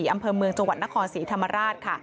อำเภอเมืองจังหวัดนครศรีธรรมราชค่ะ